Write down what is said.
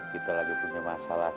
kita lagi punya masalah